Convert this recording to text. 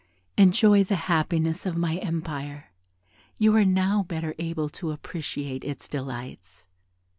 Enjoy the happiness of my empire, you are now better able to appreciate its delights."